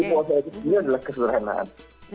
jadi puasa itu juga adalah kesederhanaan